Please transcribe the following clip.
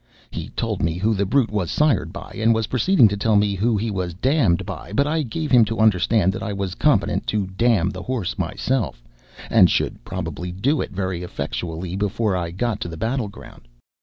He told me who the brute was "sired" by, and was proceeding to tell me who he was "dammed" by, but I gave him to understand that I was competent to damn the horse myself, and should probably do it very effectually before I got to the battle ground.